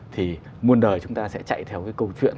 thì muôn đời chúng ta sẽ chạy theo cái câu chuyện